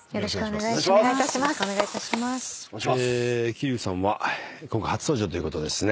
吉柳さんは今回初登場ということですね。